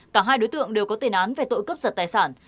cả hai đối tượng đều có tên án về tội cướp giật tài sản